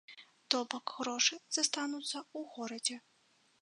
То бок, грошы застануцца ў горадзе.